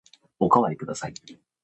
おかわりください。